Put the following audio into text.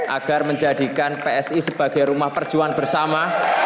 agar menjadikan psi sebagai rumah perjuangan bersama